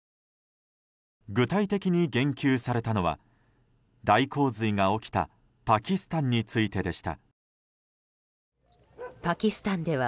具体的に言及されたのは大洪水が起きたパキスタンについてでした。